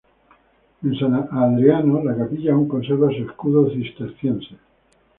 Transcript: En San Adriano, la capilla aún conserva su escudo cisterciense.